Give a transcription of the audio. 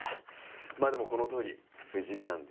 まあでもこのとおり不死身なんで。